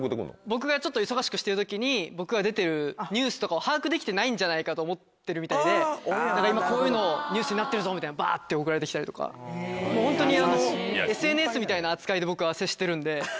僕がちょっと忙しくしてる時に僕が出てるニュースとかを把握できてないんじゃないかと思ってるみたいで今こういうのニュースになってるぞみたいのバって送られて来たりとかもうホントに。